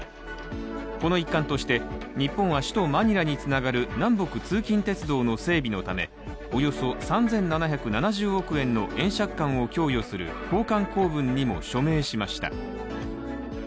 この一環として、日本は首都マニラにつながる南北通勤鉄道の整備のためおよそ３７７０億円の円借款を供与する交換公文にも署名しました。